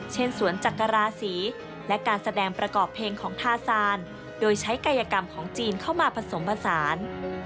สวนจักราศีและการแสดงประกอบเพลงของทาซานโดยใช้กายกรรมของจีนเข้ามาผสมผสาน